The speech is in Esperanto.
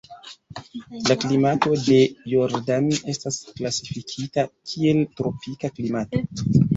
La klimato de Jordan estas klasifikita kiel tropika klimato.